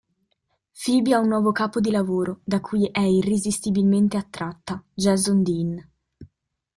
Phoebe ha un nuovo capo di lavoro, da cui è irresistibilmente attratta, Jason Dean.